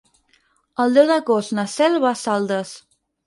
El deu d'agost na Cel va a Saldes.